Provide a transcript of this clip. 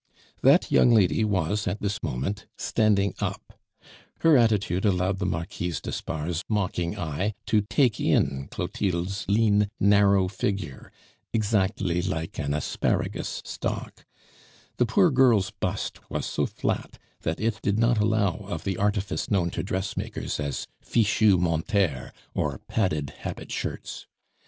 That young lady was, at this moment, standing up. Her attitude allowed the Marquise d'Espard's mocking eye to take in Clotilde's lean, narrow figure, exactly like an asparagus stalk; the poor girl's bust was so flat that it did not allow of the artifice known to dressmakers as fichus menteurs, or padded habitshirts.